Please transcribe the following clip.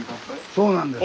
そうなんです。